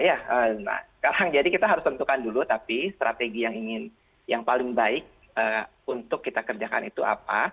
iya nah sekarang jadi kita harus tentukan dulu tapi strategi yang ingin yang paling baik untuk kita kerjakan itu apa